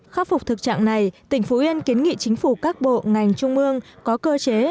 khắc phục thực trạng này tỉnh phú yên kiến nghị chính phủ các bộ ngành trung ương có cơ chế